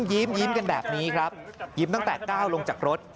ยิ้มกันแบบนี้ครับยิ้มตั้งแต่ก้าวลงจากรถ